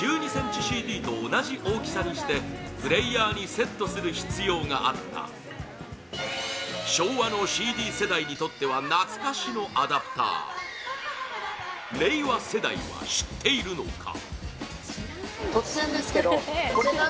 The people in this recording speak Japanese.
ｃｍＣＤと同じ大きさにしてプレーヤーにセットする必要があった昭和のＣＤ世代にとっては懐かしのアダプター令和世代は知っているのか？